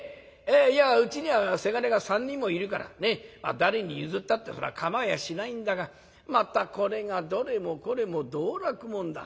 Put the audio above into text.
いやうちには伜が３人もいるから誰に譲ったってそら構いやしないんだがまたこれがどれもこれも道楽者だ。